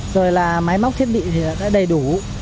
rồi là máy móc thiết bị đã đầy đủ